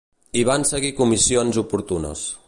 Hi van seguir comissions oportunes.